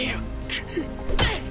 くっ！